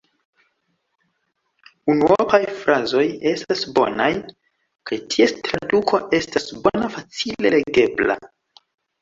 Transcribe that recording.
Unuopaj frazoj estas bonaj, kaj ties traduko estas bona, facile legebla.